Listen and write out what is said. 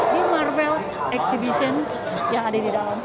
di marvel exhibition yang ada di dalam